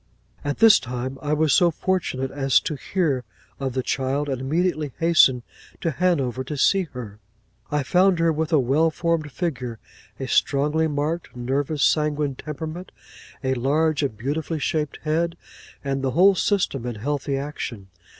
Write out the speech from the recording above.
'At this time, I was so fortunate as to hear of the child, and immediately hastened to Hanover to see her. I found her with a well formed figure; a strongly marked, nervous sanguine temperament; a large and beautifully shaped head; and the whole system in healthy action.